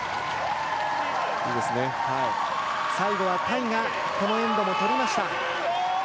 最後はタイがこのエンドをとりました。